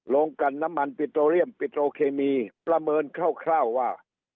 ลงกันน้ำมันปิโตเรียมปิโตเคมีประเมินคร่าวว่า